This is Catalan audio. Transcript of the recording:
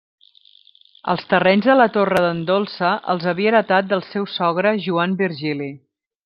Els terrenys de la Torre d'en Dolça els havia heretat del seu sogre Joan Virgili.